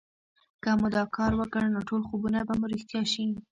که مو دا کار وکړ نو ټول خوبونه به مو رښتيا شي